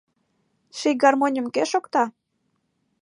Ший гармоньым кӧ шокта?